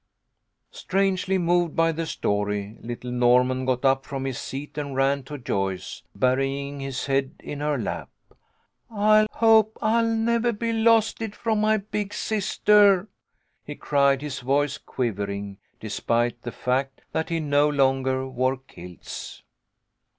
Strangely moved by the story, little Norman got up from his seat and ran to Joyce, burying his head in her lap. " I hope I'll never be losted from my big sister," he cried, his voice quivering, despite the fact that he no longer wore kilts.